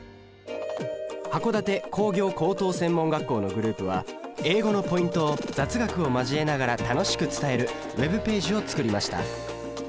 函館工業高等専門学校のグループは英語のポイントを雑学を交えながら楽しく伝えるＷｅｂページを作りました。